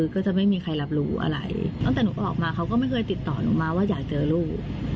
ก็จะไม่มีใครรับรู้อะไรตั้งแต่หนูก็ออกมาเขาก็ไม่เคยติดต่อหนูมาว่าอยากเจอลูก